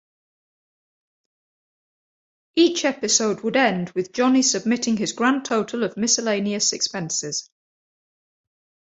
Each episode would end with Johnny submitting his grand total of miscellaneous expenses.